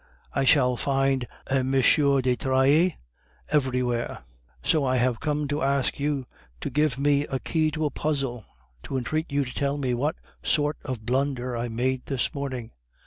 I shall find a M. de Trailles everywhere. So I have come to you to ask you to give me a key to a puzzle, to entreat you to tell me what sort of blunder I made this morning.